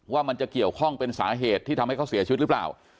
ว่ามันจะเกี่ยวข้องเป็นสาเหตุที่ทำให้เขาเสียชีวิตหรือเปล่า